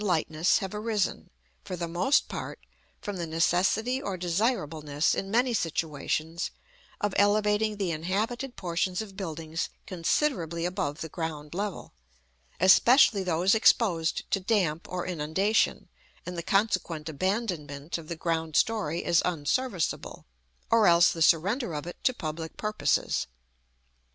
The proper forms of this superimposition of weight on lightness have arisen, for the most part, from the necessity or desirableness, in many situations, of elevating the inhabited portions of buildings considerably above the ground level, especially those exposed to damp or inundation, and the consequent abandonment of the ground story as unserviceable, or else the surrender of it to public purposes.